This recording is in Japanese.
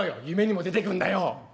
「夢にも出てくんだよ。